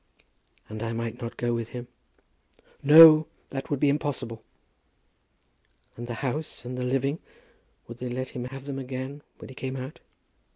"And I might not go with him?" "No; that would be impossible." "And the house, and the living; would they let him have them again when he came out?"